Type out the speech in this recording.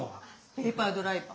ペーパードライバー。